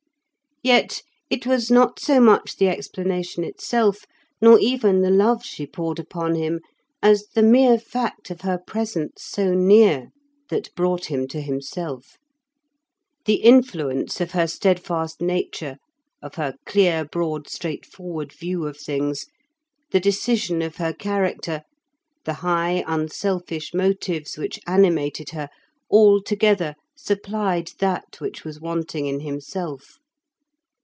Yet it was not so much the explanation itself, nor even the love she poured upon him, as the mere fact of her presence so near that brought him to himself. The influence of her steadfast nature, of her clear, broad, straightforward view of things, the decision of her character, the high, unselfish motives which animated her, all together supplied that which was wanting in himself.